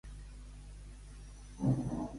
Aparèixer-se-li l'ànima de la «faena».